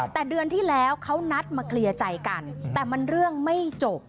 แต่เดือนที่แล้วเขานัดมาเคลียร์ใจกันแต่มันเรื่องไม่จบ